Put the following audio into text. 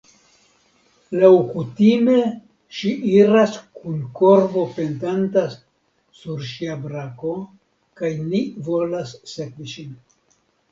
Laŭkutime ŝi iras kun korbo pendanta sur ŝia brako, kaj ni volas sekvi ŝin.